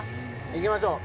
いきましょう